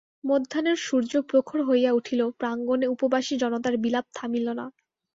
মধ্যাহ্নের সূর্য প্রখর হইয়া উঠিল, প্রাঙ্গণে উপবাসী জনতার বিলাপ থামিল না।